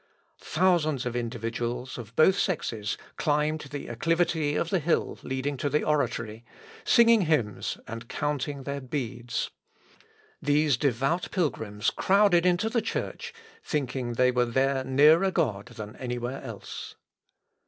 Thousands of individuals of both sexes climbed the acclivity of the hill leading to the oratory, singing hymns and counting their beads. These devout pilgrims crowded into the Church, thinking they were there nearer God than any where else.